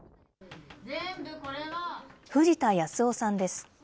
藤田康郎さんです。